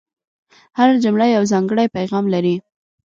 هره جمله یو ځانګړی پیغام لري.